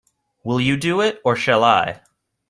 Will you do it, or shall I?